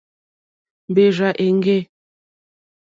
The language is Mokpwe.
Mbèrzà èŋɡê.